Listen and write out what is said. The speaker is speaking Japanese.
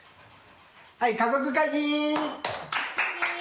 はい、家族会議！